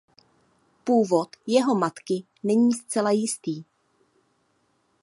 Původ jeho matky není zcela jistý.